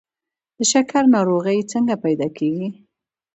د شکر ناروغي څنګه پیدا کیږي؟